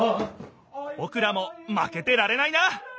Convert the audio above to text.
ぼくらもまけてられないな！